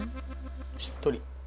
しっとり。